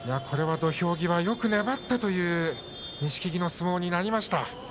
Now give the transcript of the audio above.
これは土俵際よく粘ったという錦木の相撲になりました。